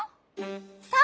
そう！